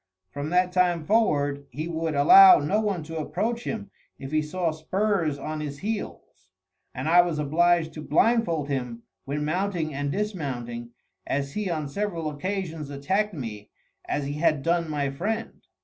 From that time forward he would allow no one to approach him if he saw spurs on his heels; and I was obliged to blindfold him when mounting and dismounting, as he on several occasions attacked me as he had done my friend.